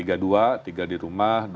ada tiga dua tiga di rumah